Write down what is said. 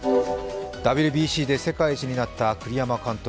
ＷＢＣで世界一になった栗山監督。